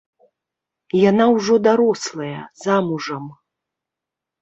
Яна ўжо дарослая, замужам.